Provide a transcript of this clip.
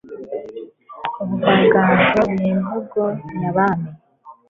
ubuvanganzo nyemvugo nyabami